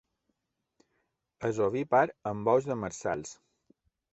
És ovípar amb ous demersals.